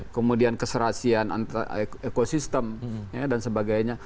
kemudian keserasian ekosistem dan sebagainya